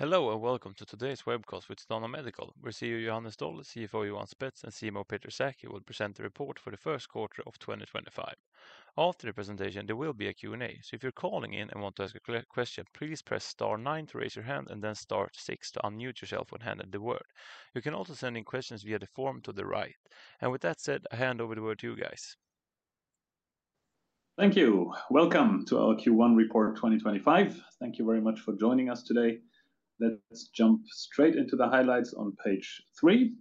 Hello and welcome to today's webcast with Sedana Medical. We see you, Johannes Doll, CFO, Johan Spetz, and CMO Peter Sackey will present the report for the first quarter of 2025. After the presentation, there will be a Q&A, so if you're calling in and want to ask a question, please press star nine to raise your hand and then star six to unmute yourself when handed the word. You can also send in questions via the form to the right. With that said, I hand over the word to you guys. Thank you. Welcome to our Q1 report 2025. Thank you very much for joining us today. Let's jump straight into the highlights on page three.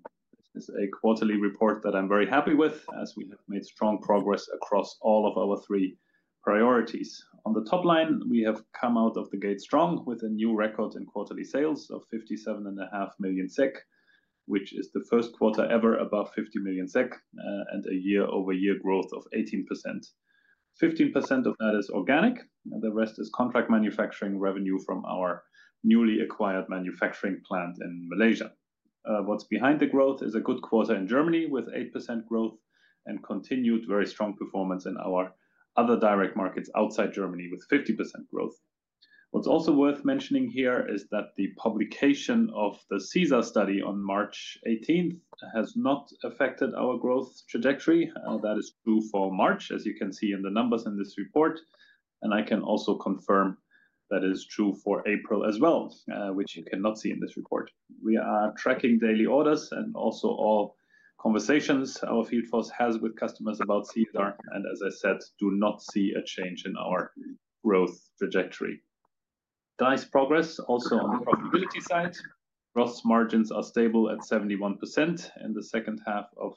This is a quarterly report that I'm very happy with as we have made strong progress across all of our three priorities. On the top line, we have come out of the gate strong with a new record in quarterly sales of 57.5 million SEK, which is the first quarter ever above 50 million SEK and a year-over-year growth of 18%. 15% of that is organic, and the rest is contract manufacturing revenue from our newly acquired manufacturing plant in Malaysia. What's behind the growth is a good quarter in Germany with 8% growth and continued very strong performance in our other direct markets outside Germany with 50% growth. What's also worth mentioning here is that the publication of the CSR study on March 18 has not affected our growth trajectory. That is true for March, as you can see in the numbers in this report. I can also confirm that it is true for April as well, which you cannot see in this report. We are tracking daily orders and also all conversations our field force has with customers about CSR. As I said, we do not see a change in our growth trajectory. Nice progress also on the profitability side. Gross margins are stable at 71%. In the second half of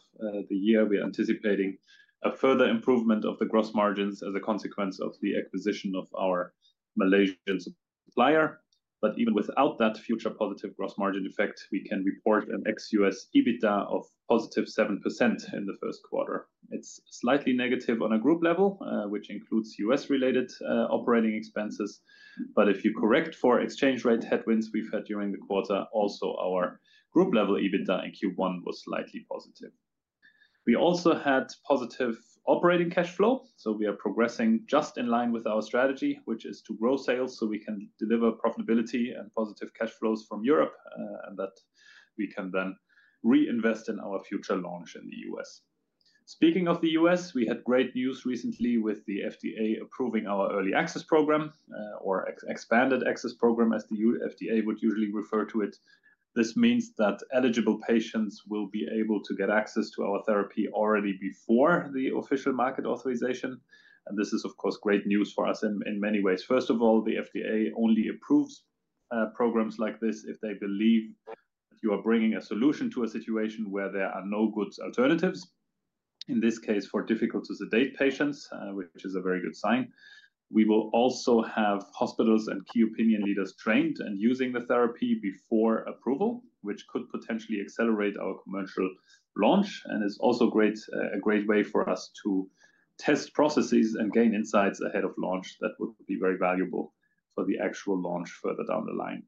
the year, we are anticipating a further improvement of the gross margins as a consequence of the acquisition of our Malaysian supplier. Even without that future positive gross margin effect, we can report an ex-US EBITDA of positive 7% in the first quarter. It's slightly negative on a group level, which includes US-related operating expenses. If you correct for exchange rate headwinds we've had during the quarter, also our group level EBITDA in Q1 was slightly positive. We also had positive operating cash flow. We are progressing just in line with our strategy, which is to grow sales so we can deliver profitability and positive cash flows from Europe and that we can then reinvest in our future launch in the US. Speaking of the US, we had great news recently with the FDA approving our early access program, or expanded access program as the FDA would usually refer to it. This means that eligible patients will be able to get access to our therapy already before the official market authorization. This is, of course, great news for us in many ways. First of all, the FDA only approves programs like this if they believe that you are bringing a solution to a situation where there are no good alternatives, in this case for difficult to sedate patients, which is a very good sign. We will also have hospitals and key opinion leaders trained and using the therapy before approval, which could potentially accelerate our commercial launch and is also a great way for us to test processes and gain insights ahead of launch that would be very valuable for the actual launch further down the line.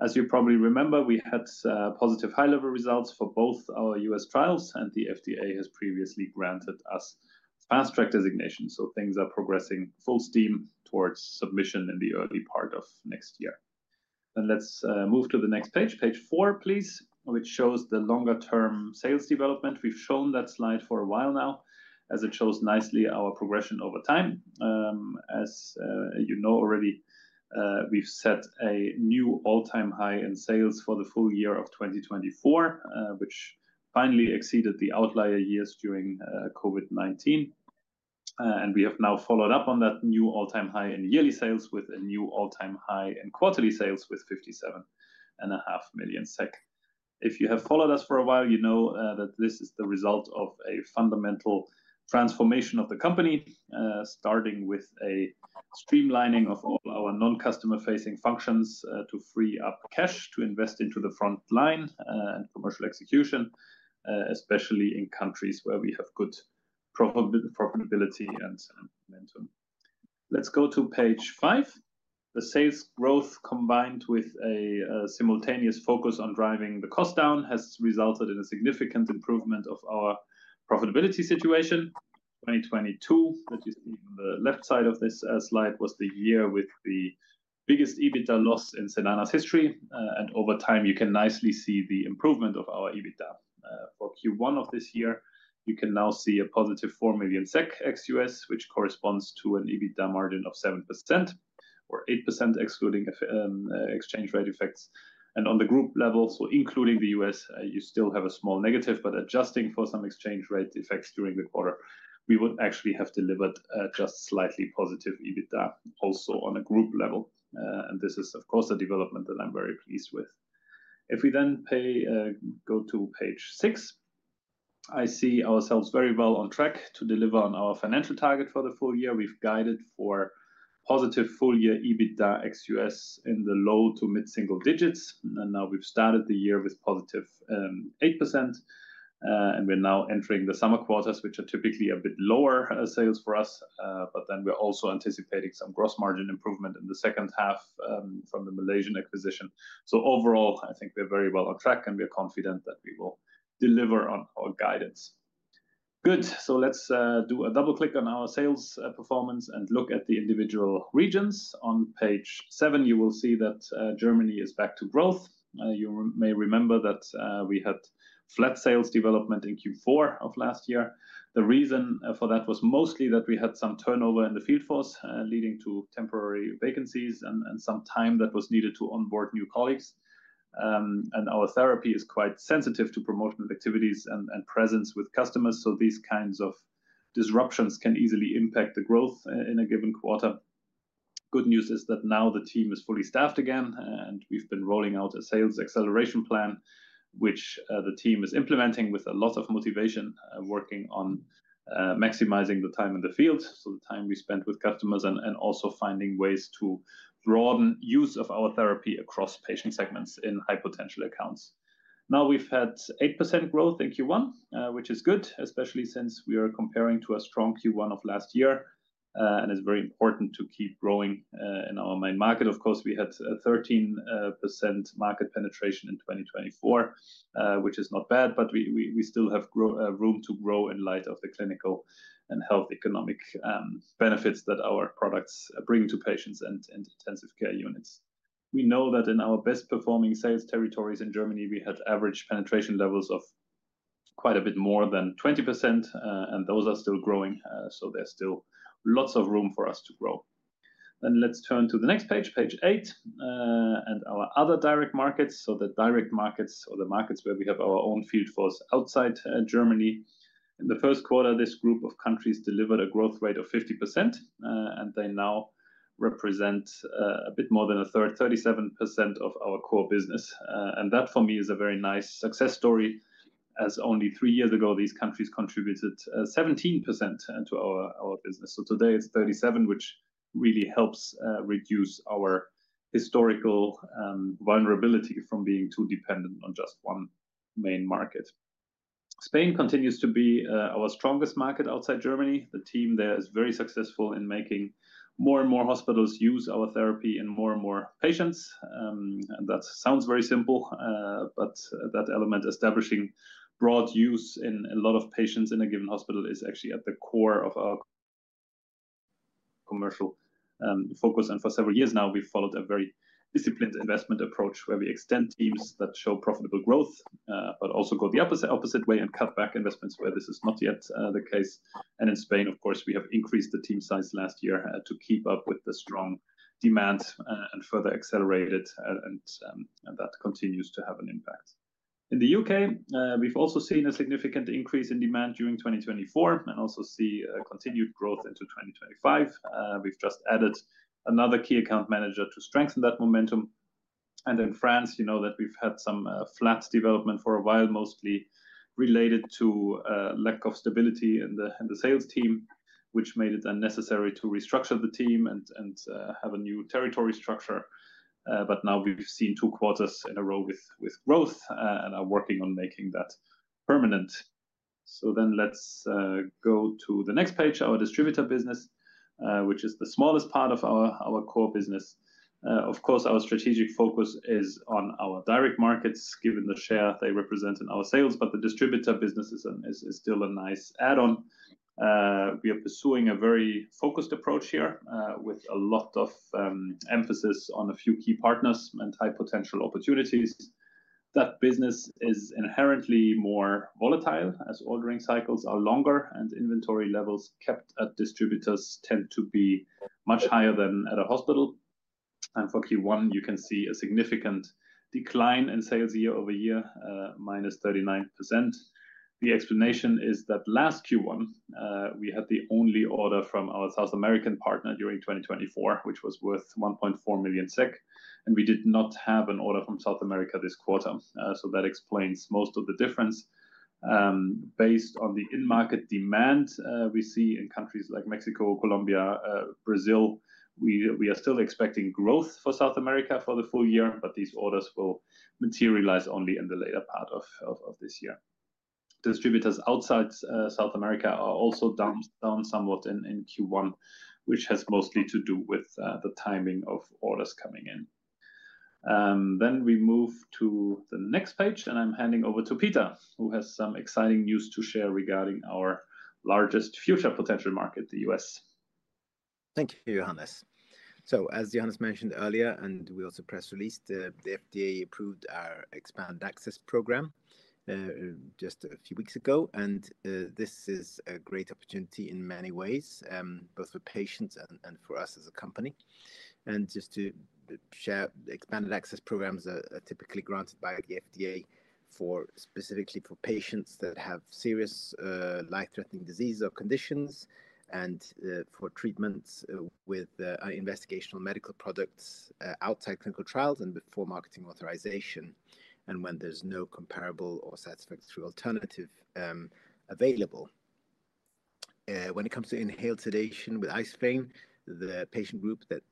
As you probably remember, we had positive high-level results for both our US trials, and the FDA has previously granted us fast track designation. Things are progressing full steam towards submission in the early part of next year. Let's move to the next page, page four, please, which shows the longer-term sales development. We've shown that slide for a while now as it shows nicely our progression over time. As you know already, we've set a new all-time high in sales for the full year of 2024, which finally exceeded the outlier years during COVID-19. We have now followed up on that new all-time high in yearly sales with a new all-time high in quarterly sales with 57.5 million SEK. If you have followed us for a while, you know that this is the result of a fundamental transformation of the company, starting with a streamlining of all our non-customer-facing functions to free up cash to invest into the front line and commercial execution, especially in countries where we have good profitability and momentum. Let's go to page five. The sales growth combined with a simultaneous focus on driving the cost down has resulted in a significant improvement of our profitability situation. 2022, that you see on the left side of this slide, was the year with the biggest EBITDA loss in Sedana Medical's history. Over time, you can nicely see the improvement of our EBITDA. For Q1 of this year, you can now see a positive 4 million SEK ex US, which corresponds to an EBITDA margin of 7% or 8% excluding exchange rate effects. On the group level, so including the US, you still have a small negative, but adjusting for some exchange rate effects during the quarter, we would actually have delivered just slightly positive EBITDA also on a group level. This is, of course, a development that I'm very pleased with. If we then go to page six, I see ourselves very well on track to deliver on our financial target for the full year. We've guided for positive full year EBITDA ex US in the low to mid single digits. Now we've started the year with positive 8%. We're now entering the summer quarters, which are typically a bit lower sales for us. We're also anticipating some gross margin improvement in the second half from the Malaysian acquisition. Overall, I think we're very well on track and we are confident that we will deliver on our guidance. Good. Let's do a double click on our sales performance and look at the individual regions. On page seven, you will see that Germany is back to growth. You may remember that we had flat sales development in Q4 of last year. The reason for that was mostly that we had some turnover in the field force, leading to temporary vacancies and some time that was needed to onboard new colleagues. Our therapy is quite sensitive to promotional activities and presence with customers. These kinds of disruptions can easily impact the growth in a given quarter. The good news is that now the team is fully staffed again, and we've been rolling out a sales acceleration plan, which the team is implementing with a lot of motivation, working on maximizing the time in the field, so the time we spend with customers and also finding ways to broaden use of our therapy across patient segments in high potential accounts. We've had 8% growth in Q1, which is good, especially since we are comparing to a strong Q1 of last year. It is very important to keep growing in our main market. Of course, we had 13% market penetration in 2024, which is not bad, but we still have room to grow in light of the clinical and health economic benefits that our products bring to patients and intensive care units. We know that in our best performing sales territories in Germany, we had average penetration levels of quite a bit more than 20%, and those are still growing. There is still lots of room for us to grow. Let's turn to the next page, page eight, and our other direct markets. The direct markets, or the markets where we have our own field force outside Germany. In the first quarter, this group of countries delivered a growth rate of 50%, and they now represent a bit more than a third, 37% of our core business. That for me is a very nice success story, as only three years ago, these countries contributed 17% to our business. Today it is 37%, which really helps reduce our historical vulnerability from being too dependent on just one main market. Spain continues to be our strongest market outside Germany. The team there is very successful in making more and more hospitals use our therapy and more and more patients. That sounds very simple, but that element, establishing broad use in a lot of patients in a given hospital, is actually at the core of our commercial focus. For several years now, we have followed a very disciplined investment approach where we extend teams that show profitable growth, but also go the opposite way and cut back investments where this is not yet the case. In Spain, of course, we have increased the team size last year to keep up with the strong demand and further accelerate it. That continues to have an impact. In the U.K., we have also seen a significant increase in demand during 2024 and also see continued growth into 2025. We have just added another key account manager to strengthen that momentum. In France, you know that we have had some flat development for a while, mostly related to lack of stability in the sales team, which made it necessary to restructure the team and have a new territory structure. Now we have seen two quarters in a row with growth and are working on making that permanent. Let us go to the next page, our distributor business, which is the smallest part of our core business. Of course, our strategic focus is on our direct markets, given the share they represent in our sales, but the distributor business is still a nice add-on. We are pursuing a very focused approach here with a lot of emphasis on a few key partners and high potential opportunities. That business is inherently more volatile as ordering cycles are longer and inventory levels kept at distributors tend to be much higher than at a hospital. For Q1, you can see a significant decline in sales year over year, minus 39%. The explanation is that last Q1, we had the only order from our South American partner during 2024, which was worth 1.4 million SEK, and we did not have an order from South America this quarter. That explains most of the difference. Based on the in-market demand we see in countries like Mexico, Colombia, Brazil, we are still expecting growth for South America for the full year, but these orders will materialize only in the later part of this year. Distributors outside South America are also down somewhat in Q1, which has mostly to do with the timing of orders coming in. We move to the next page, and I'm handing over to Peter, who has some exciting news to share regarding our largest future potential market, the US. Thank you, Johannes. As Johannes mentioned earlier, and we also press released, the FDA approved our expanded access program just a few weeks ago. This is a great opportunity in many ways, both for patients and for us as a company. Just to share, the Expanded Access Programs are typically granted by the FDA specifically for patients that have serious life-threatening disease or conditions and for treatments with investigational medical products outside clinical trials and before marketing authorization when there's no comparable or satisfactory alternative available. When it comes to inhaled sedation with isoflurane, the patient group that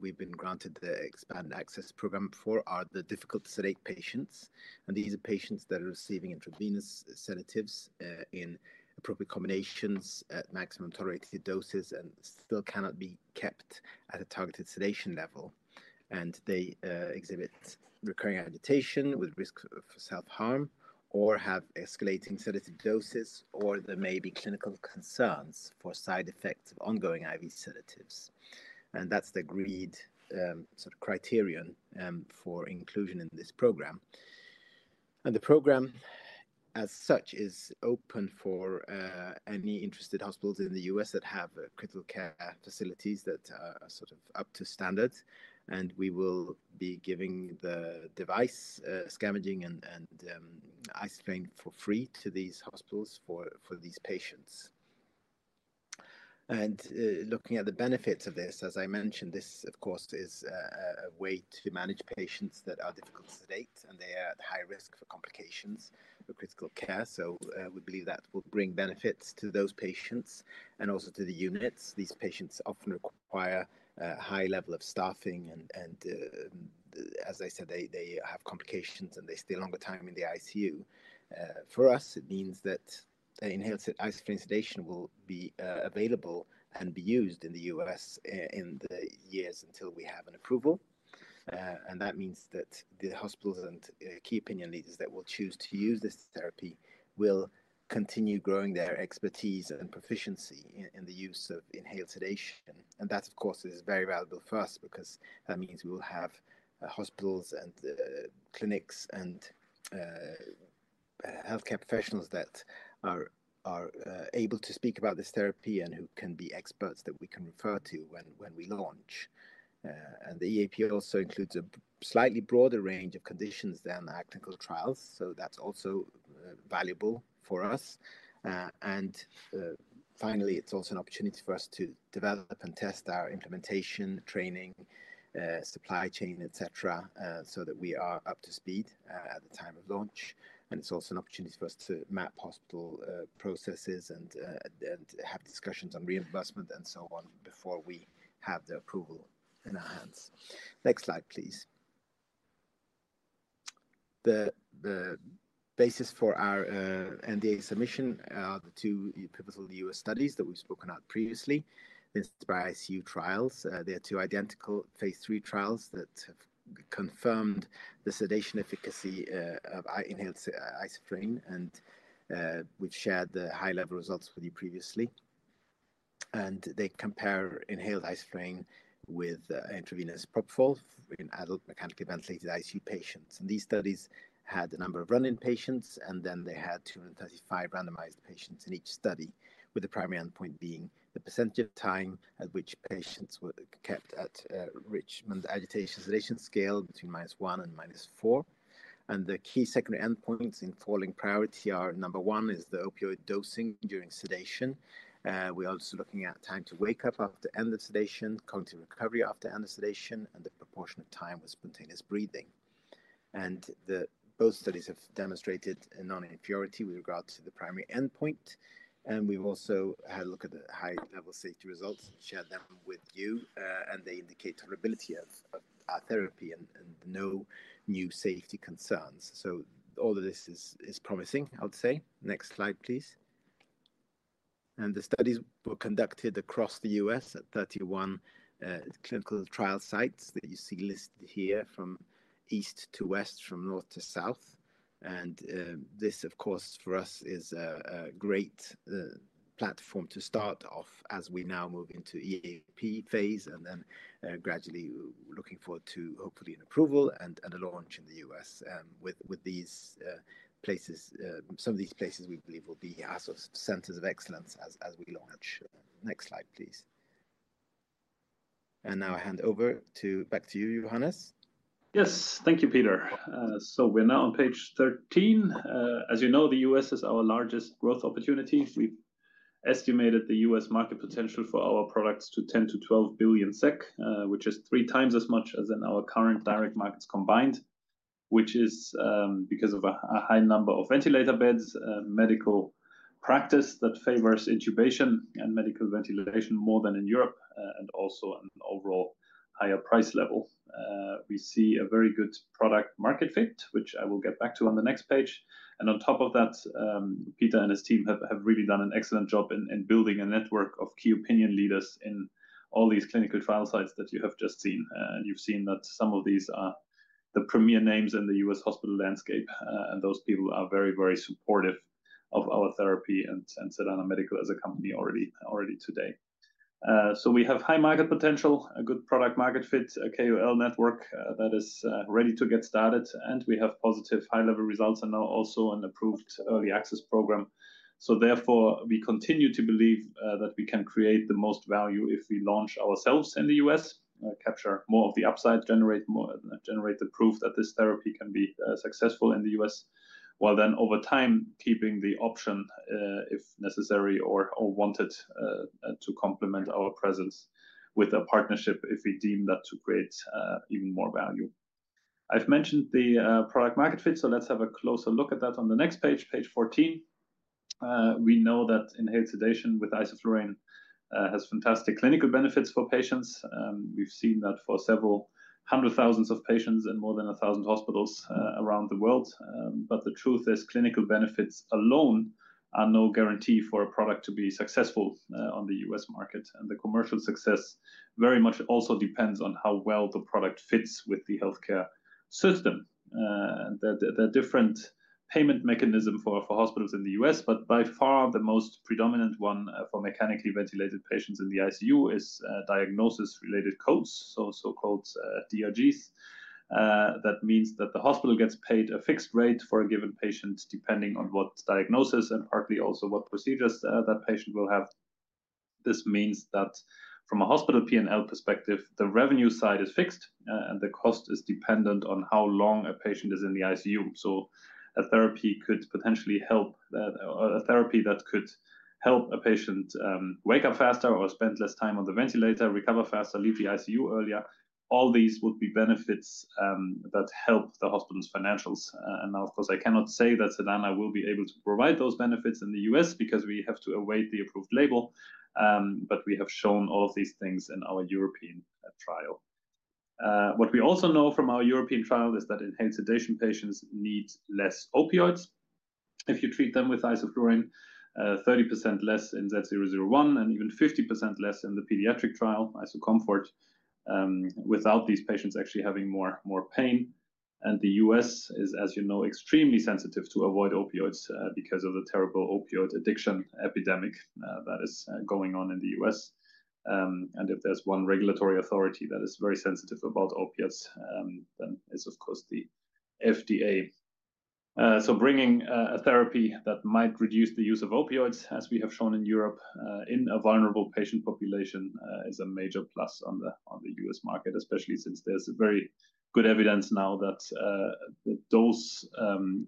we've been granted the Expanded Access Program for are the difficult to sedate patients. These are patients that are receiving intravenous sedatives in appropriate combinations at maximum tolerated doses and still cannot be kept at a targeted sedation level. They exhibit recurring agitation with risks of self-harm or have escalating sedative doses, or there may be clinical concerns for side effects of ongoing IV sedatives. That's the agreed sort of criterion for inclusion in this program. The program as such is open for any interested hospitals in the US that have critical care facilities that are sort of up to standard. We will be giving the device, scavenging, and isoflurane for free to these hospitals for these patients. Looking at the benefits of this, as I mentioned, this, of course, is a way to manage patients that are difficult to sedate and they are at high risk for complications for critical care. We believe that will bring benefits to those patients and also to the units. These patients often require a high level of staffing. As I said, they have complications and they stay a longer time in the ICU. For us, it means that inhaled isoflurane sedation will be available and be used in the US in the years until we have an approval. That means that the hospitals and key opinion leaders that will choose to use this therapy will continue growing their expertise and proficiency in the use of inhaled sedation. That, of course, is very valuable for us because that means we will have hospitals and clinics and healthcare professionals that are able to speak about this therapy and who can be experts that we can refer to when we launch. The EAP also includes a slightly broader range of conditions than our clinical trials. That is also valuable for us. Finally, it is also an opportunity for us to develop and test our implementation, training, supply chain, etc., so that we are up to speed at the time of launch. It is also an opportunity for us to map hospital processes and have discussions on reimbursement and so on before we have the approval in our hands. Next slide, please. The basis for our NDA submission are the two pivotal US studies that we've spoken about previously, INSPIRE-ICU trials. They are two identical phase 3 trials that have confirmed the sedation efficacy of inhaled isoflurane, and we've shared the high-level results with you previously. They compare inhaled isoflurane with intravenous propofol in adult mechanically ventilated ICU patients. These studies had a number of run-in patients, and then they had 235 randomized patients in each study, with the primary endpoint being the percentage of time at which patients were kept at Richmond Agitation Sedation Scale between minus one and minus four. The key secondary endpoints in following priority are number one is the opioid dosing during sedation. We're also looking at time to wake up after end of sedation, cognitive recovery after end of sedation, and the proportion of time with spontaneous breathing. Both studies have demonstrated non-inferiority with regards to the primary endpoint. We've also had a look at the high-level safety results and shared them with you. They indicate tolerability of our therapy and no new safety concerns. All of this is promising, I would say. Next slide, please. The studies were conducted across the U.S. at 31 clinical trial sites that you see listed here from east to west, from north to south. This, of course, for us is a great platform to start off as we now move into EAP phase and then gradually looking forward to hopefully an approval and a launch in the U.S. with these places. Some of these places we believe will be our centers of excellence as we launch. Next slide, please. Now I hand over back to you, Johannes. Yes, thank you, Peter. We are now on page 13. As you know, the US is our largest growth opportunity. We have estimated the US market potential for our products to 10 billion-12 billion SEK, which is three times as much as in our current direct markets combined, which is because of a high number of ventilator beds, medical practice that favors intubation and medical ventilation more than in Europe, and also an overall higher price level. We see a very good product market fit, which I will get back to on the next page. Peter and his team have really done an excellent job in building a network of key opinion leaders in all these clinical trial sites that you have just seen. You have seen that some of these are the premier names in the US hospital landscape. Those people are very, very supportive of our therapy and Sedana Medical as a company already today. We have high market potential, a good product market fit, a KOL network that is ready to get started. We have positive high-level results and now also an approved early access program. Therefore, we continue to believe that we can create the most value if we launch ourselves in the US, capture more of the upside, generate the proof that this therapy can be successful in the US, while then over time, keeping the option, if necessary or wanted, to complement our presence with a partnership if we deem that to create even more value. I've mentioned the product market fit, so let's have a closer look at that on the next page, page 14. We know that inhaled sedation with isoflurane has fantastic clinical benefits for patients. We've seen that for several hundred thousand patients in more than 1,000 hospitals around the world. The truth is clinical benefits alone are no guarantee for a product to be successful on the US market. The commercial success very much also depends on how well the product fits with the healthcare system. There are different payment mechanisms for hospitals in the U.S., but by far the most predominant one for mechanically ventilated patients in the ICU is diagnosis-related codes, so-called DRGs. That means that the hospital gets paid a fixed rate for a given patient depending on what diagnosis and partly also what procedures that patient will have. This means that from a hospital P&L perspective, the revenue side is fixed and the cost is dependent on how long a patient is in the ICU. A therapy could potentially help a patient wake up faster or spend less time on the ventilator, recover faster, leave the ICU earlier. All these would be benefits that help the hospital's financials. Of course, I cannot say that Sedana will be able to provide those benefits in the U.S. because we have to await the approved label. We have shown all of these things in our European trial. What we also know from our European trial is that inhaled sedation patients need less opioids if you treat them with isoflurane, 30% less in Z001 and even 50% less in the pediatric trial, isocomfort, without these patients actually having more pain. The U.S. is, as you know, extremely sensitive to avoid opioids because of the terrible opioid addiction epidemic that is going on in the U.S. If there is one regulatory authority that is very sensitive about opiates, then it is, of course, the FDA. Bringing a therapy that might reduce the use of opioids, as we have shown in Europe, in a vulnerable patient population is a major plus on the U.S. market, especially since there is very good evidence now that the dose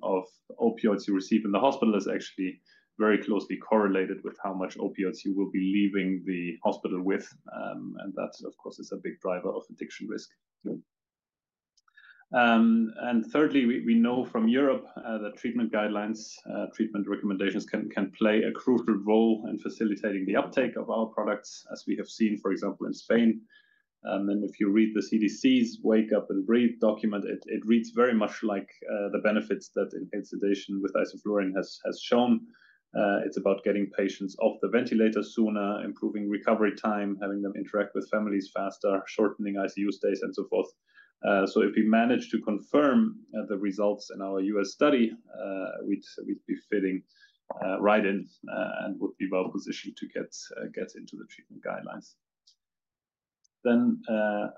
of opioids you receive in the hospital is actually very closely correlated with how much opioids you will be leaving the hospital with. That, of course, is a big driver of addiction risk. Thirdly, we know from Europe that treatment guidelines, treatment recommendations can play a crucial role in facilitating the uptake of our products, as we have seen, for example, in Spain. If you read the CDC's Wake Up and Breathe document, it reads very much like the benefits that inhaled sedation with isoflurane has shown. It's about getting patients off the ventilator sooner, improving recovery time, having them interact with families faster, shortening ICU stays, and so forth. If we manage to confirm the results in our US study, we'd be fitting right in and would be well positioned to get into the treatment guidelines.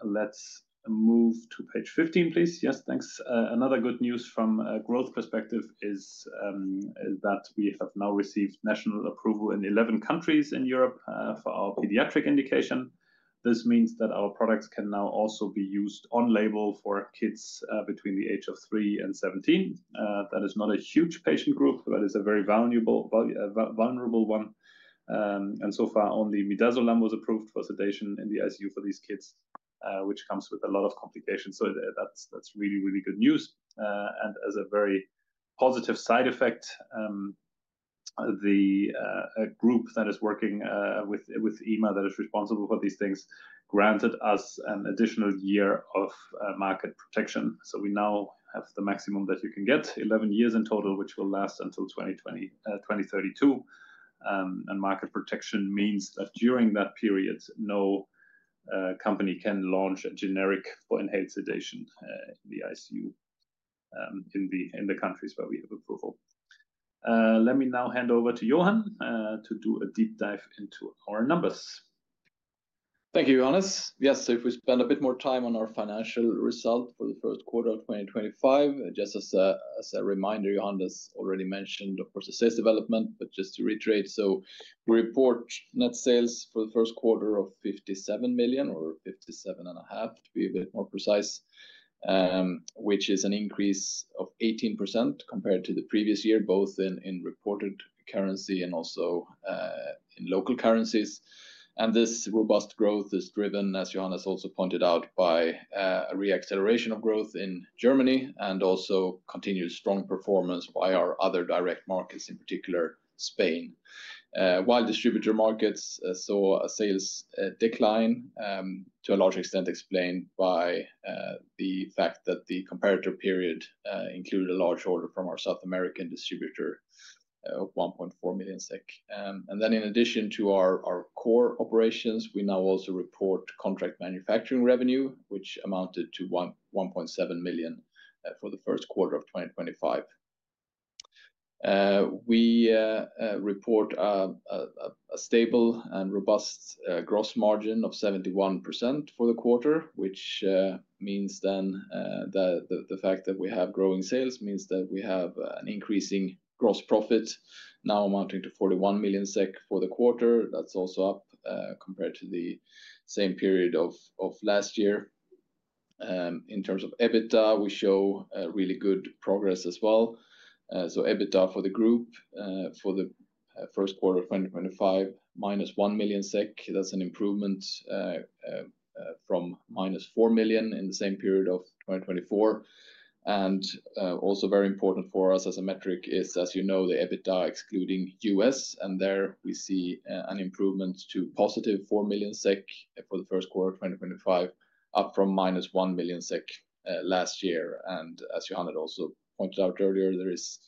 Let's move to page 15, please. Yes, thanks. Another good news from a growth perspective is that we have now received national approval in 11 countries in Europe for our pediatric indication. This means that our products can now also be used on label for kids between the age of 3 and 17. That is not a huge patient group, but it's a very vulnerable one. So far, only midazolam was approved for sedation in the ICU for these kids, which comes with a lot of complications. That's really, really good news. As a very positive side effect, the group that is working with EMA, that is responsible for these things, granted us an additional year of market protection. We now have the maximum that you can get, 11 years in total, which will last until 2032. Market protection means that during that period, no company can launch a generic for inhaled sedation in the ICU in the countries where we have approval. Let me now hand over to Johan to do a deep dive into our numbers. Thank you, Johannes. Yes, so if we spend a bit more time on our financial result for the first quarter of 2025, just as a reminder, Johan has already mentioned, of course, the sales development, but just to reiterate, so we report net sales for the first quarter of 57 million or 57.5 million, to be a bit more precise, which is an increase of 18% compared to the previous year, both in reported currency and also in local currencies. This robust growth is driven, as Johan has also pointed out, by a reacceleration of growth in Germany and also continued strong performance by our other direct markets, in particular Spain. While distributor markets saw a sales decline to a large extent explained by the fact that the comparator period included a large order from our South American distributor of 1.4 million SEK. In addition to our core operations, we now also report contract manufacturing revenue, which amounted to 1.7 million for the first quarter of 2025. We report a stable and robust gross margin of 71% for the quarter, which means the fact that we have growing sales means that we have an increasing gross profit now amounting to 41 million SEK for the quarter. That is also up compared to the same period of last year. In terms of EBITDA, we show really good progress as well. EBITDA for the group for the first quarter of 2025, minus 1 million SEK, that is an improvement from minus 4 million in the same period of 2024. Also very important for us as a metric is, as you know, the EBITDA excluding US. There we see an improvement to positive 4 million SEK for the first quarter of 2025, up from minus 1 million SEK last year. As Johan had also pointed out earlier, there is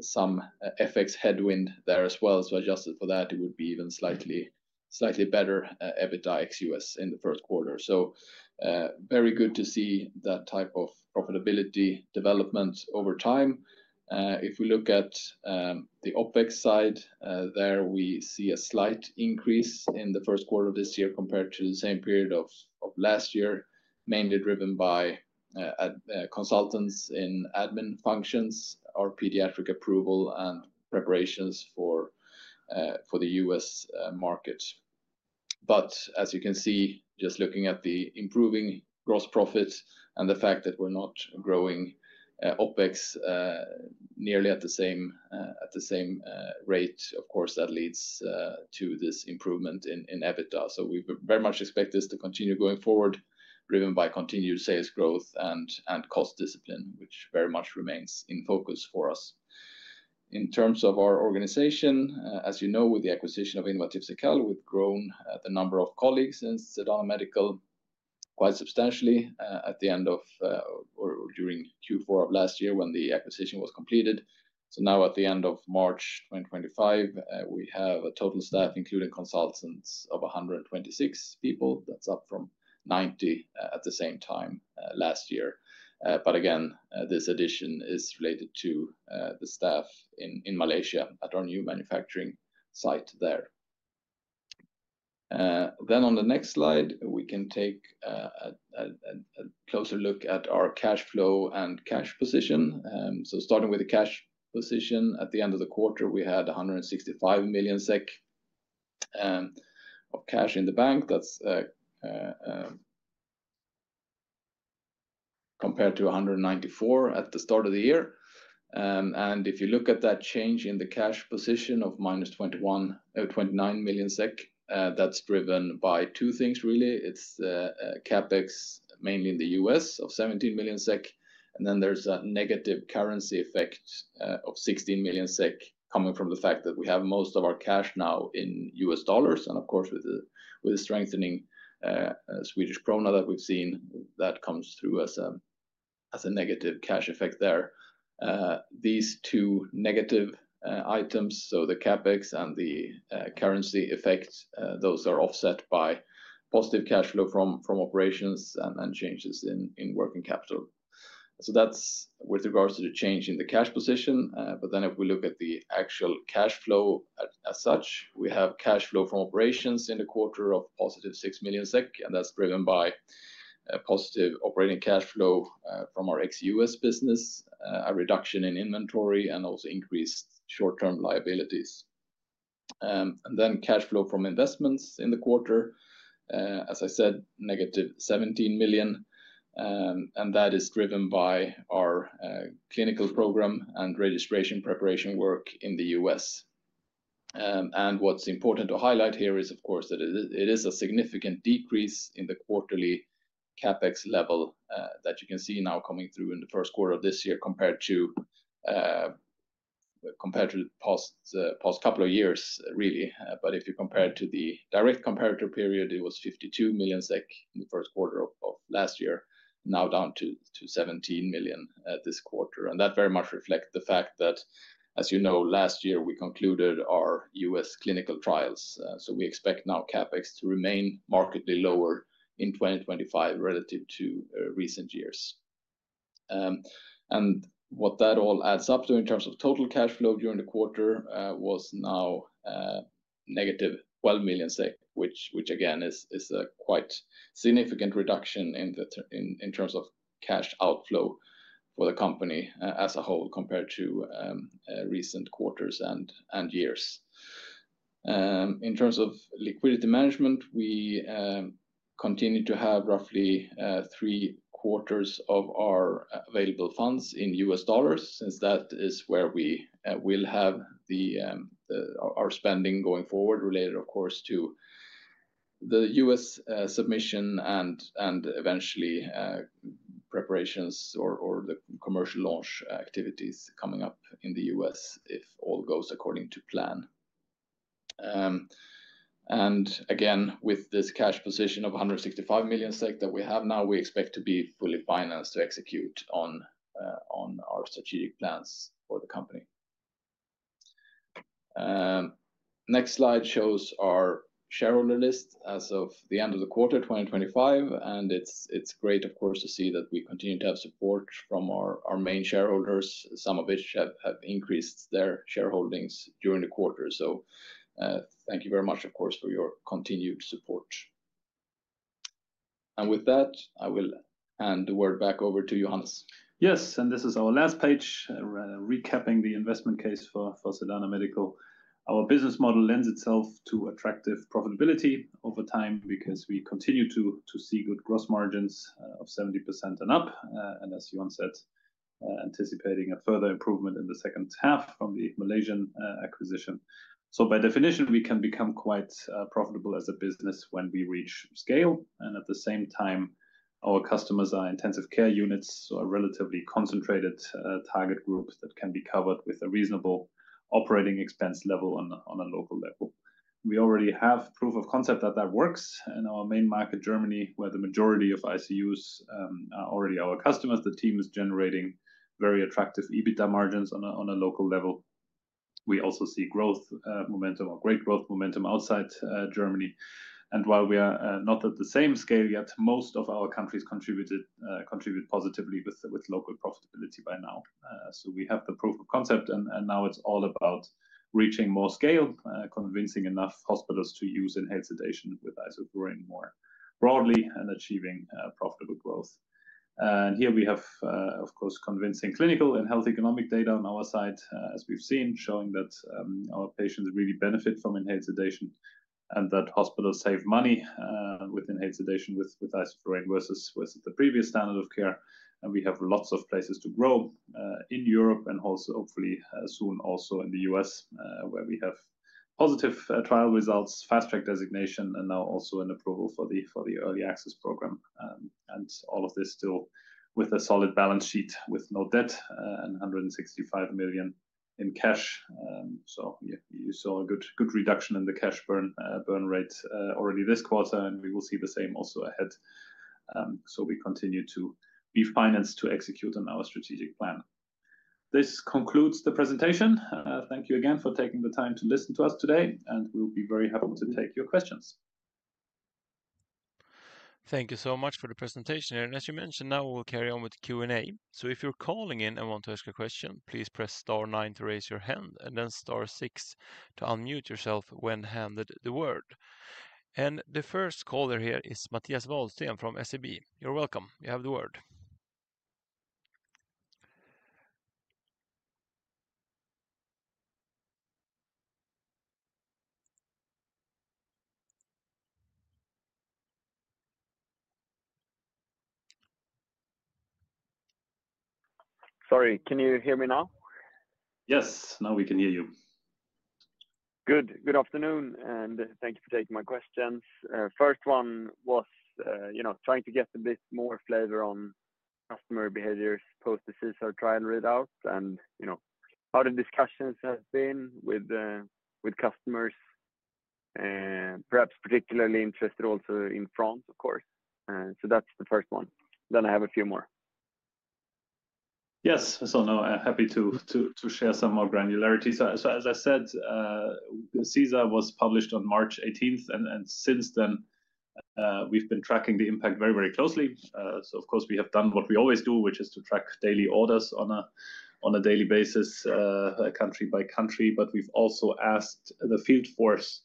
some FX headwind there as well. Adjusted for that, it would be even slightly better EBITDA XUS in the first quarter. Very good to see that type of profitability development over time. If we look at the OPEX side, there we see a slight increase in the first quarter of this year compared to the same period of last year, mainly driven by consultants in admin functions or pediatric approval and preparations for the US market. As you can see, just looking at the improving gross profit and the fact that we're not growing OPEX nearly at the same rate, of course, that leads to this improvement in EBITDA. We very much expect this to continue going forward, driven by continued sales growth and cost discipline, which very much remains in focus for us. In terms of our organization, as you know, with the acquisition of Innovatif Cekal, we've grown the number of colleagues in Sedana Medical quite substantially at the end of or during Q4 of last year when the acquisition was completed. Now at the end of March 2025, we have a total staff, including consultants, of 126 people. That's up from 90 at the same time last year. Again, this addition is related to the staff in Malaysia at our new manufacturing site there. On the next slide, we can take a closer look at our cash flow and cash position. Starting with the cash position, at the end of the quarter, we had 165 million SEK of cash in the bank. That is compared to 194 million at the start of the year. If you look at that change in the cash position of minus 29 million SEK, that is driven by two things, really. It is CapEx, mainly in the US, of 17 million SEK. Then there is a negative currency effect of 16 million SEK coming from the fact that we have most of our cash now in US dollars. Of course, with the strengthening Swedish krona that we have seen, that comes through as a negative cash effect there. These two negative items, so the CapEx and the currency effect, are offset by positive cash flow from operations and changes in working capital. That is with regards to the change in the cash position. If we look at the actual cash flow as such, we have cash flow from operations in the quarter of positive 6 million SEK. That is driven by positive operating cash flow from our ex-US business, a reduction in inventory, and also increased short-term liabilities. Cash flow from investments in the quarter, as I said, negative 17 million. That is driven by our clinical program and registration preparation work in the US. What's important to highlight here is, of course, that it is a significant decrease in the quarterly CapEx level that you can see now coming through in the first quarter of this year compared to the past couple of years, really. If you compare it to the direct comparator period, it was 52 million SEK in the first quarter of last year, now down to 17 million this quarter. That very much reflects the fact that, as you know, last year we concluded our US clinical trials. We expect now CapEx to remain markedly lower in 2025 relative to recent years. What that all adds up to in terms of total cash flow during the quarter was now negative 12 million SEK, which again is a quite significant reduction in terms of cash outflow for the company as a whole compared to recent quarters and years. In terms of liquidity management, we continue to have roughly three quarters of our available funds in US dollars since that is where we will have our spending going forward related, of course, to the US submission and eventually preparations or the commercial launch activities coming up in the US if all goes according to plan. Again, with this cash position of 165 million SEK that we have now, we expect to be fully financed to execute on our strategic plans for the company. The next slide shows our shareholder list as of the end of the quarter 2025. It is great, of course, to see that we continue to have support from our main shareholders, some of which have increased their shareholdings during the quarter. Thank you very much, of course, for your continued support. With that, I will hand the word back over to Johannes. Yes, this is our last page recapping the investment case for Sedana Medical. Our business model lends itself to attractive profitability over time because we continue to see good gross margins of 70% and up. As Johan said, we are anticipating a further improvement in the second half from the Malaysian acquisition. By definition, we can become quite profitable as a business when we reach scale. At the same time, our customers are intensive care units, so a relatively concentrated target group that can be covered with a reasonable operating expense level on a local level. We already have proof of concept that that works in our main market, Germany, where the majority of ICUs are already our customers. The team is generating very attractive EBITDA margins on a local level. We also see growth momentum or great growth momentum outside Germany. While we are not at the same scale yet, most of our countries contribute positively with local profitability by now. We have the proof of concept, and now it is all about reaching more scale, convincing enough hospitals to use inhaled sedation with isoflurane more broadly and achieving profitable growth. Of course, we have convincing clinical and health economic data on our side, as we've seen, showing that our patients really benefit from inhaled sedation and that hospitals save money with inhaled sedation with isoflurane versus the previous standard of care. We have lots of places to grow in Europe and hopefully soon also in the U.S., where we have positive trial results, fast track designation, and now also an approval for the early access program. All of this still with a solid balance sheet with no debt and 165 million in cash. You saw a good reduction in the cash burn rate already this quarter, and we will see the same also ahead. We continue to be financed to execute on our strategic plan. This concludes the presentation. Thank you again for taking the time to listen to us today, and we'll be very happy to take your questions. Thank you so much for the presentation. As you mentioned, now we'll carry on with Q&A. If you're calling in and want to ask a question, please press star nine to raise your hand and then star six to unmute yourself when handed the word. The first caller here is Mattias Wahlsten from SEB. You're welcome. You have the word. Sorry, can you hear me now? Yes, now we can hear you. Good. Good afternoon, and thank you for taking my questions. First one was trying to get a bit more flavor on customer behaviors post the CSR trial readout and how the discussions have been with customers, perhaps particularly interested also in France, of course. That's the first one. I have a few more. Yes, now I'm happy to share some more granularity. As I said, the CSR was published on March 18, and since then, we've been tracking the impact very, very closely. Of course, we have done what we always do, which is to track daily orders on a daily basis, country by country. We've also asked the field force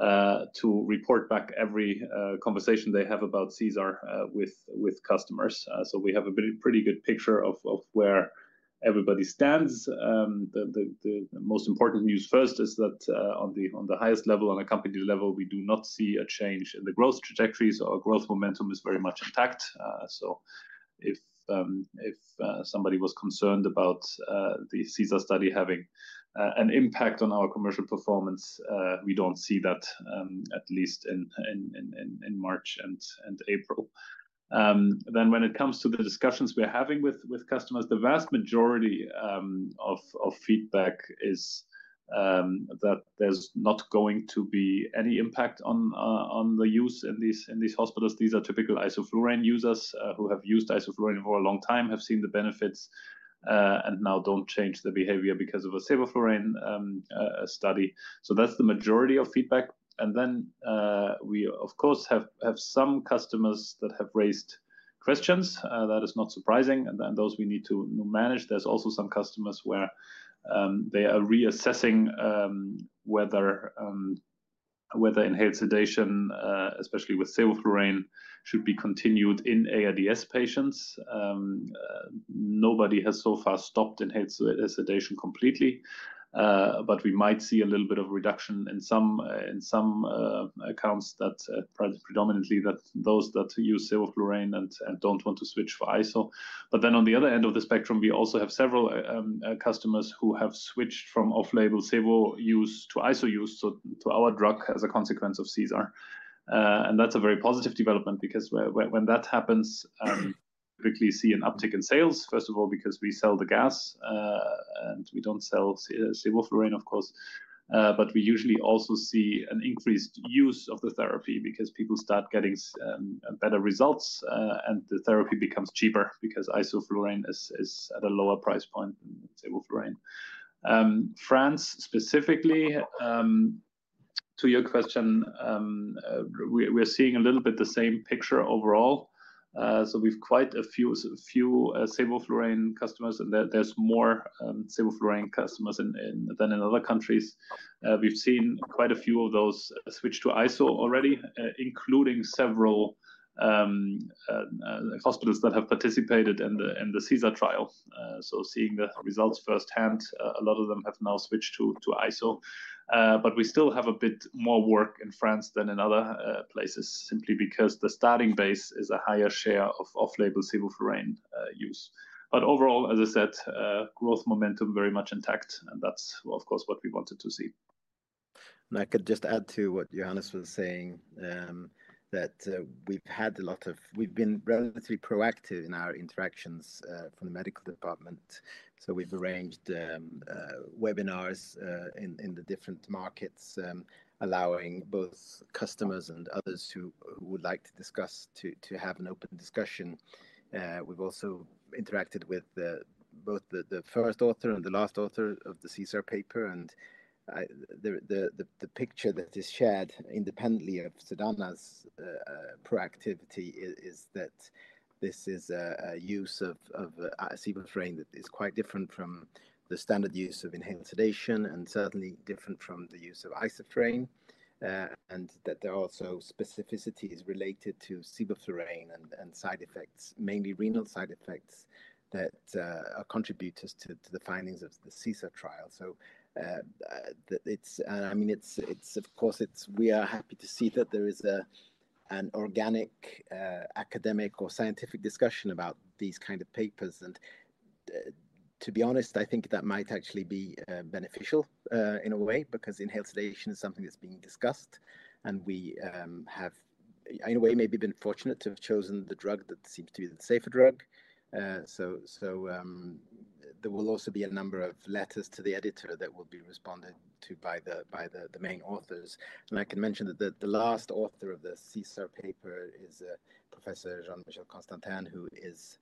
to report back every conversation they have about CSR with customers. We have a pretty good picture of where everybody stands. The most important news first is that on the highest level, on a company level, we do not see a change in the growth trajectory. Our growth momentum is very much intact. If somebody was concerned about the CSR study having an impact on our commercial performance, we don't see that, at least in March and April. When it comes to the discussions we're having with customers, the vast majority of feedback is that there's not going to be any impact on the use in these hospitals. These are typical isoflurane users who have used isoflurane for a long time, have seen the benefits, and now don't change the behavior because of a sevoflurane study. That's the majority of feedback. We, of course, have some customers that have raised questions. That is not surprising. Those we need to manage. There are also some customers where they are reassessing whether inhaled sedation, especially with sevoflurane, should be continued in ARDS patients. Nobody has so far stopped inhaled sedation completely, but we might see a little bit of reduction in some accounts, predominantly those that use sevoflurane and don't want to switch for isoflurane. On the other end of the spectrum, we also have several customers who have switched from off-label sevo use to ISO use to our drug as a consequence of CSR. That's a very positive development because when that happens, we typically see an uptick in sales, first of all, because we sell the gas and we do not sell sevoflurane, of course. We usually also see an increased use of the therapy because people start getting better results and the therapy becomes cheaper because isoflurane is at a lower price point than sevoflurane. France specifically, to your question, we are seeing a little bit the same picture overall. We have quite a few sevoflurane customers and there are more sevoflurane customers than in other countries. We've seen quite a few of those switch to ISO already, including several hospitals that have participated in the CSR trial. Seeing the results firsthand, a lot of them have now switched to ISO. We still have a bit more work in France than in other places simply because the starting base is a higher share of off-label sevoflurane use. Overall, as I said, growth momentum very much intact. That is, of course, what we wanted to see. I could just add to what Johannes was saying that we've been relatively proactive in our interactions from the medical department. We've arranged webinars in the different markets, allowing both customers and others who would like to discuss to have an open discussion. We've also interacted with both the first author and the last author of the CSR paper. The picture that is shared independently of Sedana's proactivity is that this is a use of sevoflurane that is quite different from the standard use of inhaled sedation and certainly different from the use of isoflurane. There are also specificities related to sevoflurane and side effects, mainly renal side effects that are contributors to the findings of the CSR study. I mean, of course, we are happy to see that there is an organic academic or scientific discussion about these kinds of papers. To be honest, I think that might actually be beneficial in a way because inhaled sedation is something that's being discussed. We have, in a way, maybe been fortunate to have chosen the drug that seems to be the safer drug. There will also be a number of letters to the editor that will be responded to by the main authors. I can mention that the last author of the CSR paper is Professor Jean-Michel Constantin, who is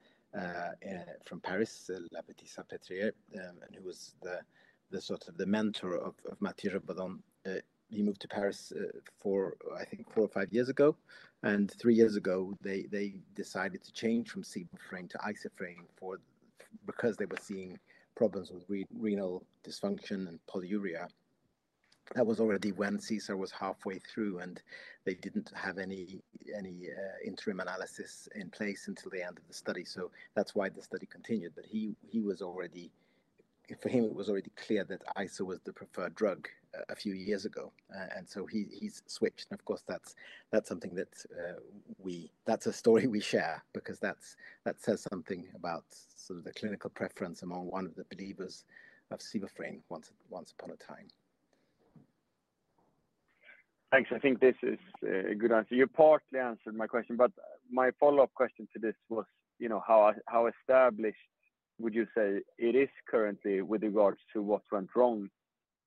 from Paris, La Pitié-Salpêtrière, and who was sort of the mentor of Matthias Rappadon. He moved to Paris, I think, four or five years ago. Three years ago, they decided to change from sevoflurane to isoflurane because they were seeing problems with renal dysfunction and polyuria. That was already when CSR was halfway through, and they did not have any interim analysis in place until the end of the study. That is why the study continued. For him, it was already clear that ISO was the preferred drug a few years ago, and so he switched. Of course, that's something that's a story we share because that says something about sort of the clinical preference among one of the believers of sevoflurane once upon a time. Thanks. I think this is a good answer. You partly answered my question, but my follow-up question to this was, how established would you say it is currently with regards to what went wrong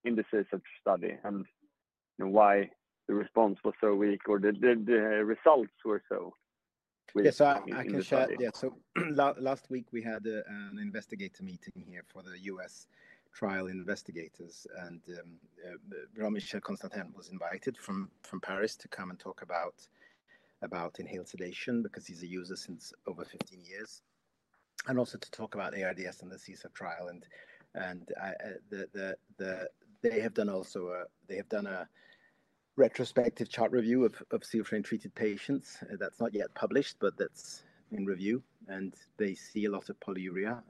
in the CSR study and why the response was so weak or the results were so weak? Yes, I can share. Yeah. Last week, we had an investigator meeting here for the US trial investigators. Jean-Michel Constantin was invited from Paris to come and talk about inhaled sedation because he's a user since over 15 years. Also to talk about ARDS and the CSR trial. They have done also a retrospective chart review of sevoflurane-treated patients. That's not yet published, but that's in review. They see a lot of polyuria.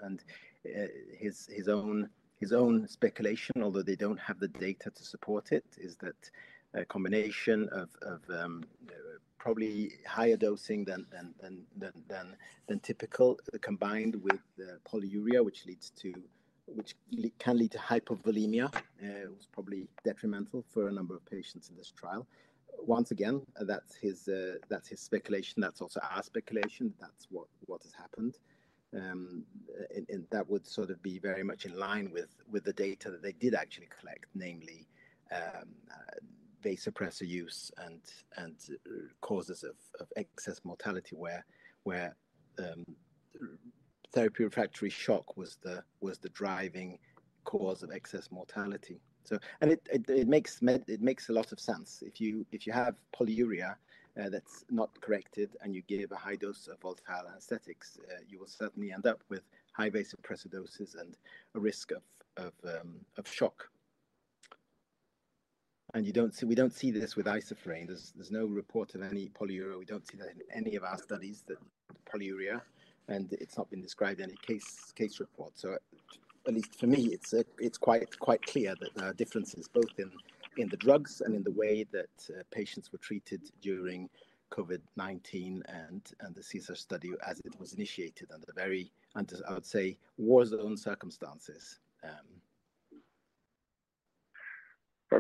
His own speculation, although they do not have the data to support it, is that a combination of probably higher dosing than typical combined with polyuria, which can lead to hypovolemia, was probably detrimental for a number of patients in this trial. Once again, that's his speculation. That's also our speculation. That's what has happened. That would sort of be very much in line with the data that they did actually collect, namely vasopressor use and causes of excess mortality where therapy refractory shock was the driving cause of excess mortality. It makes a lot of sense. If you have polyuria that's not corrected and you give a high dose of volatile anesthetics, you will certainly end up with high vasopressor doses and a risk of shock. We do not see this with isoflurane. There is no report of any polyuria. We do not see that in any of our studies, that polyuria. It has not been described in any case report. At least for me, it is quite clear that there are differences both in the drugs and in the way that patients were treated during COVID-19 and the CSR study, as it was initiated under very, I would say, war-zone circumstances.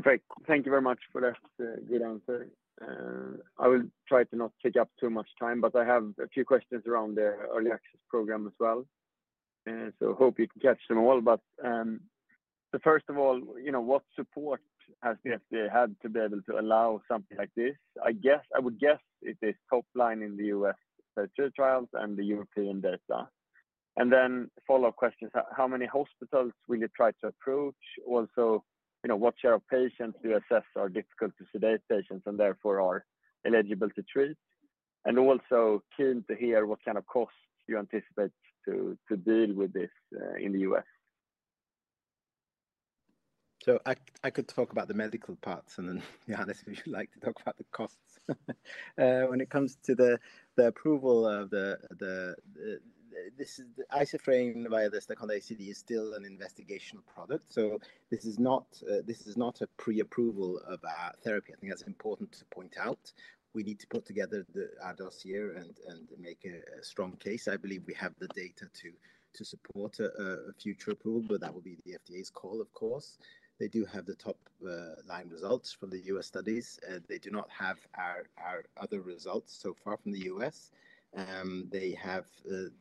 Perfect. Thank you very much for that good answer. I will try to not take up too much time, but I have a few questions around the early access program as well. I hope you can catch them all. First of all, what support has the FDA had to be able to allow something like this? I would guess it is top line in the US trials and the European data. Then follow-up questions. How many hospitals will you try to approach? Also, what share of patients do you assess are difficult to sedate patients and therefore are eligible to treat? I am also keen to hear what kind of costs you anticipate to deal with this in the U.S. I could talk about the medical parts and then Johannes would like to talk about the costs. When it comes to the approval of the isoflurane via the secondary EAP, it is still an investigational product. This is not a pre-approval of our therapy. I think that is important to point out. We need to put together our dossier and make a strong case. I believe we have the data to support a future approval, but that will be the FDA's call, of course. They do have the top line results from the U.S. studies. They do not have our other results so far from the US. They have the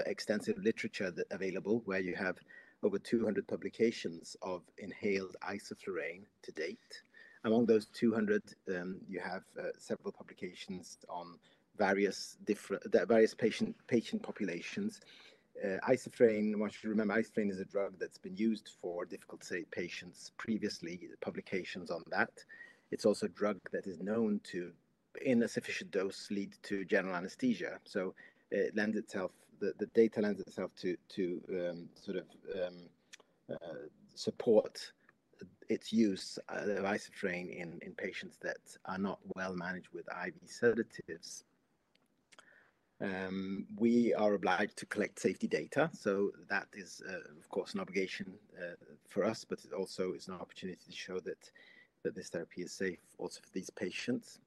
extensive literature available where you have over 200 publications of inhaled isoflurane to date. Among those 200, you have several publications on various patient populations. Isoflurane, once you remember, isoflurane is a drug that's been used for difficult-to-sedate patients previously. Publications on that. It's also a drug that is known to, in a sufficient dose, lead to general anesthesia. The data lends itself to sort of support its use of isoflurane in patients that are not well managed with IV sedatives. We are obliged to collect safety data. That is, of course, an obligation for us, but it also is an opportunity to show that this therapy is safe also for these patients.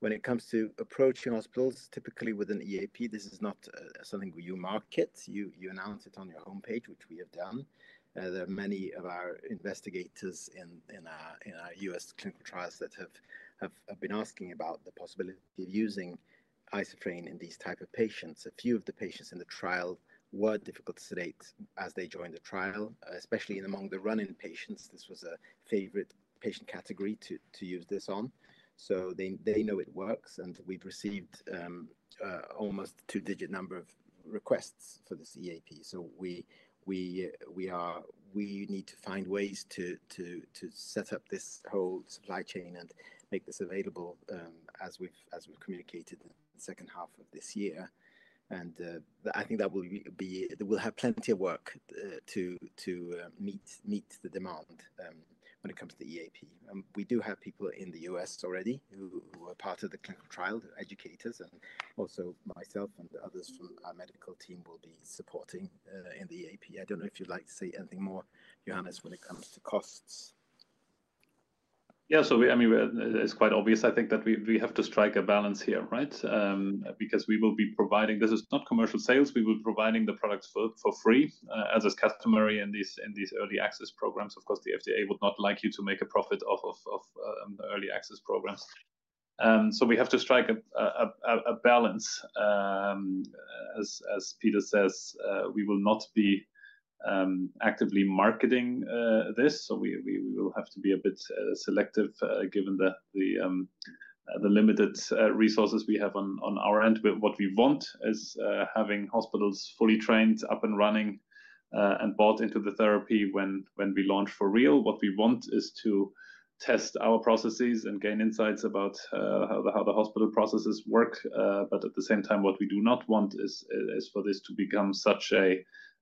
When it comes to approaching hospitals, typically with an EAP, this is not something you market. You announce it on your homepage, which we have done. There are many of our investigators in our US clinical trials that have been asking about the possibility of using isoflurane in these types of patients. A few of the patients in the trial were difficult-to-sedate as they joined the trial, especially among the run-in patients. This was a favorite patient category to use this on. They know it works. We have received almost a two-digit number of requests for this EAP. We need to find ways to set up this whole supply chain and make this available as we have communicated in the second half of this year. I think that we will have plenty of work to meet the demand when it comes to the EAP. We do have people in the US already who are part of the clinical trial, educators, and also myself and others from our medical team will be supporting in the EAP. I do not know if you would like to say anything more, Johannes, when it comes to costs. Yeah. I mean, it is quite obvious, I think, that we have to strike a balance here, right? Because we will be providing this is not commercial sales. We will be providing the products for free as is customary in these early access programs. Of course, the FDA would not like you to make a profit off of early access programs. We have to strike a balance. As Peter says, we will not be actively marketing this. We will have to be a bit selective given the limited resources we have on our end. What we want is having hospitals fully trained, up and running, and bought into the therapy when we launch for real. What we want is to test our processes and gain insights about how the hospital processes work. At the same time, what we do not want is for this to become such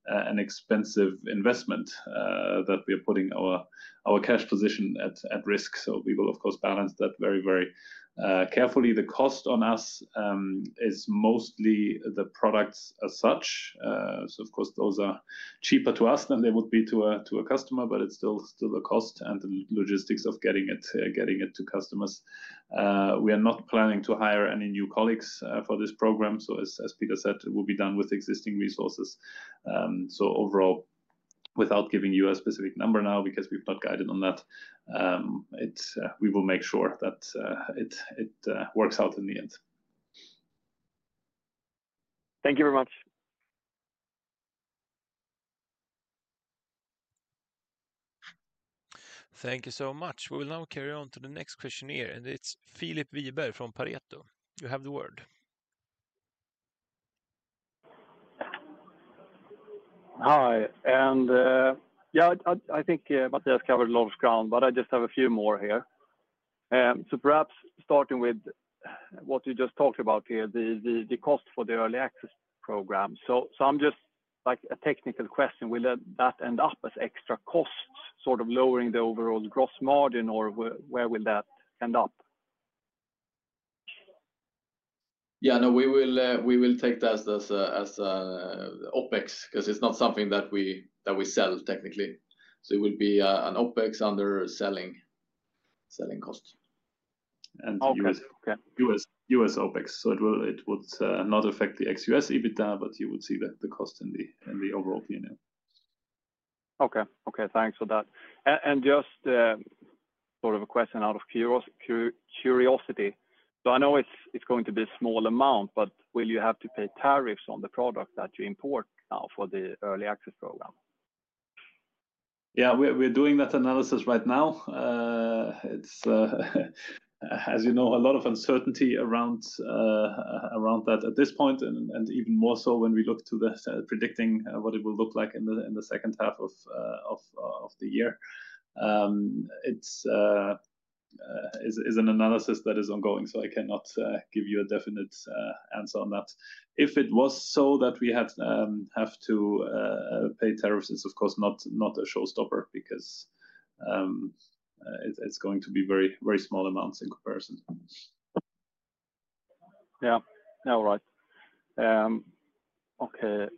an expensive investment that we are putting our cash position at risk. We will, of course, balance that very, very carefully. The cost on us is mostly the products as such. Of course, those are cheaper to us than they would be to a customer, but it is still the cost and the logistics of getting it to customers. We are not planning to hire any new colleagues for this program. As Peter said, it will be done with existing resources. Overall, without giving you a specific number now because we've not guided on that, we will make sure that it works out in the end. Thank you very much. Thank you so much. We will now carry on to the next question here. It is Philip Wieber from Pareto. You have the word. Hi. Yeah, I think Matthias covered a lot of ground, but I just have a few more here. Perhaps starting with what you just talked about here, the cost for the early access program. I am just, like, a technical question. Will that end up as extra costs, sort of lowering the overall gross margin, or where will that end up? Yeah, no, we will take that as an OpEx because it is not something that we sell technically. It will be an OpEx under selling costs. And US OpEx. It would not affect the ex-US EBITDA, but you would see the cost in the overall P&L. Okay. Okay. Thanks for that. Just sort of a question out of curiosity. I know it is going to be a small amount, but will you have to pay tariffs on the product that you import now for the early access program? Yeah, we are doing that analysis right now. As you know, a lot of uncertainty around that at this point, and even more so when we look to predicting what it will look like in the second half of the year. It is an analysis that is ongoing, so I cannot give you a definite answer on that. If it was so that we have to pay tariffs, it is of course not a showstopper because it is going to be very small amounts in comparison. Yeah. All right. Okay.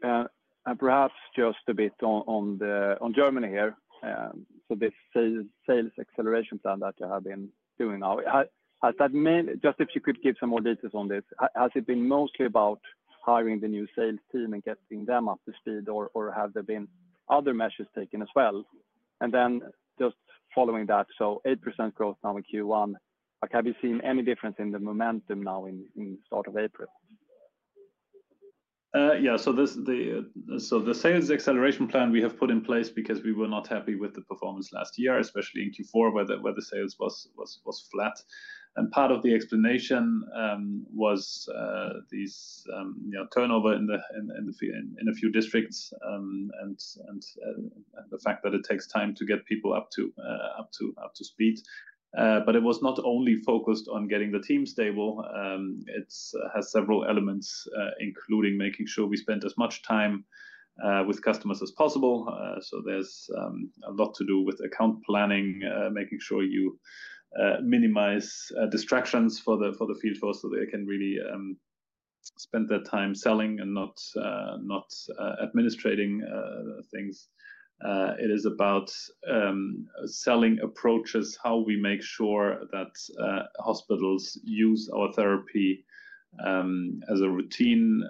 Perhaps just a bit on Germany here. This sales acceleration plan that you have been doing now, just if you could give some more details on this, has it been mostly about hiring the new sales team and getting them up to speed, or have there been other measures taken as well? Just following that, 8% growth now in Q1, have you seen any difference in the momentum now in the start of April? Yeah. The sales acceleration plan we have put in place because we were not happy with the performance last year, especially in Q4, where the sales was flat. Part of the explanation was this turnover in a few districts and the fact that it takes time to get people up to speed. It was not only focused on getting the team stable. It has several elements, including making sure we spend as much time with customers as possible. There is a lot to do with account planning, making sure you minimize distractions for the field force so they can really spend their time selling and not administrating things. It is about selling approaches, how we make sure that hospitals use our therapy as a routine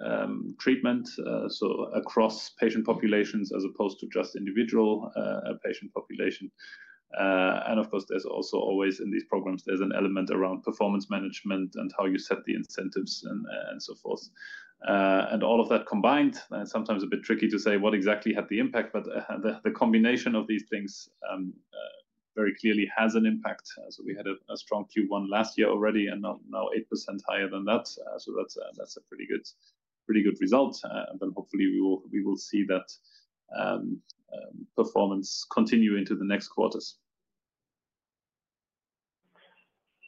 treatment, across patient populations as opposed to just individual patient population. Of course, there is also always in these programs, an element around performance management and how you set the incentives and so forth. All of that combined, sometimes a bit tricky to say what exactly had the impact, but the combination of these things very clearly has an impact. We had a strong Q1 last year already and now 8% higher than that. That is a pretty good result. Hopefully, we will see that performance continue into the next quarters.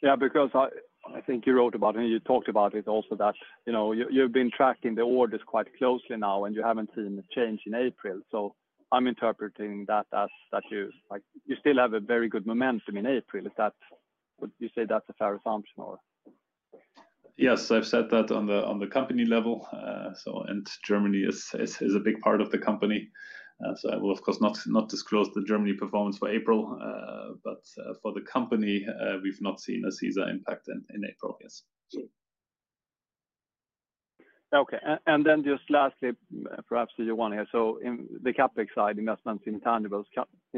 Yeah, because I think you wrote about it and you talked about it also that you've been tracking the orders quite closely now and you haven't seen a change in April. I am interpreting that you still have a very good momentum in April. Would you say that's a fair assumption or? Yes, I've said that on the company level. Germany is a big part of the company. I will, of course, not disclose the Germany performance for April. For the company, we've not seen a Caesar impact in April, yes. Okay. Lastly, perhaps you want to hear. On the CapEx side, investments in tangibles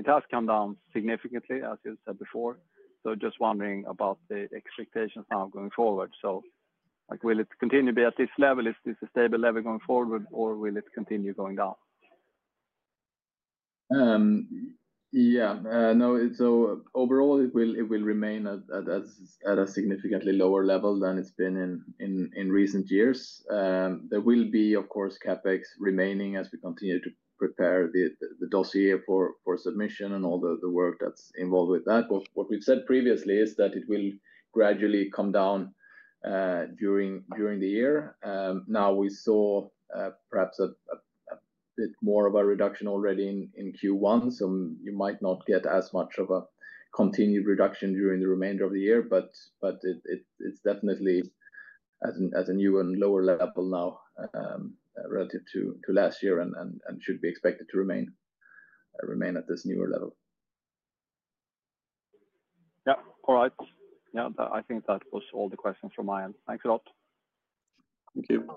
have come down significantly, as you said before. I am just wondering about the expectations now going forward. Will it continue to be at this level? Is this a stable level going forward, or will it continue going down? Yeah. Overall, it will remain at a significantly lower level than it has been in recent years. There will be, of course, CapEx remaining as we continue to prepare the dossier for submission and all the work that is involved with that. What we have said previously is that it will gradually come down during the year. Now we saw perhaps a bit more of a reduction already in Q1. You might not get as much of a continued reduction during the remainder of the year, but it is definitely at a new and lower level now relative to last year and should be expected to remain at this newer level. Yeah. All right. I think that was all the questions from my end. Thanks a lot. Thank you.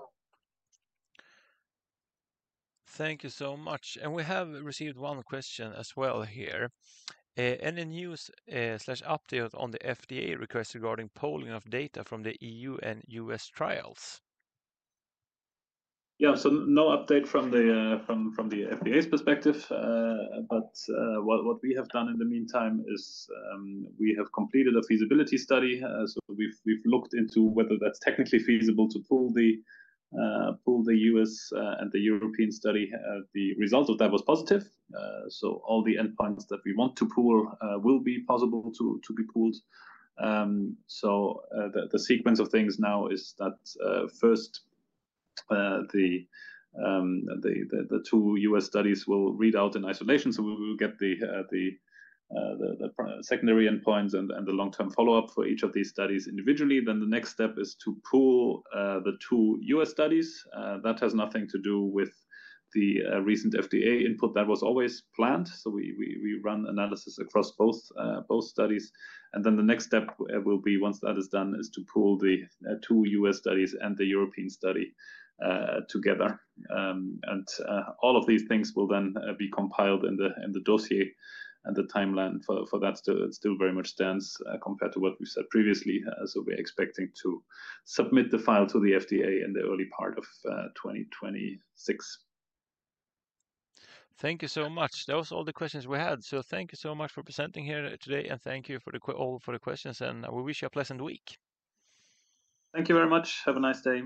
Thank you so much. We have received one question as well here. Any news/update on the FDA request regarding pooling of data from the EU and US trials? Yeah. No update from the FDA's perspective. What we have done in the meantime is we have completed a feasibility study. We have looked into whether that is technically feasible to pool the US and the European study. The result of that was positive. All the endpoints that we want to pool will be possible to be pooled. The sequence of things now is that first, the two US studies will read out in isolation. We will get the secondary endpoints and the long-term follow-up for each of these studies individually. The next step is to pool the two US studies. That has nothing to do with the recent FDA input. That was always planned. We run analysis across both studies. The next step will be, once that is done, to pull the two US studies and the European study together. All of these things will then be compiled in the dossier and the timeline for that still very much stands compared to what we've said previously. We are expecting to submit the file to the FDA in the early part of 2026. Thank you so much. That was all the questions we had. Thank you so much for presenting here today, and thank you all for the questions. We wish you a pleasant week. Thank you very much. Have a nice day.